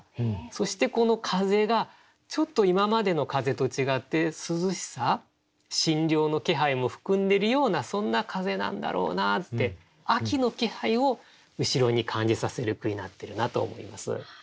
そしてこの風がちょっと今までの風と違って涼しさ新涼の気配も含んでるようなそんな風なんだろうなって秋の気配を後ろに感じさせる句になってるなと思います。